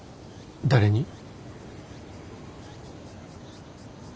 誰に？